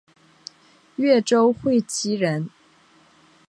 越州会稽人。